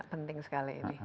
penting sekali ini